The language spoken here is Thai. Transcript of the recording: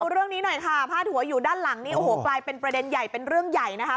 เรื่องนี้หน่อยค่ะพาดหัวอยู่ด้านหลังนี่โอ้โหกลายเป็นประเด็นใหญ่เป็นเรื่องใหญ่นะคะ